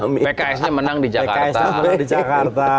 pks nya menang di jakarta